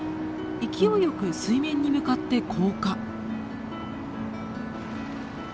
勢いよく水面に向かって降下。